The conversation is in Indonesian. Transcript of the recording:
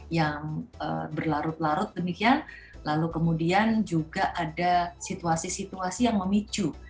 yang berlarut larut demikian lalu kemudian juga ada situasi situasi yang memicu